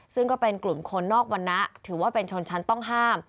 ซึ่งก็เป็นกลุ่มคนนอกวรรณะถือว่าเป็นชนชั้นต้องห้าม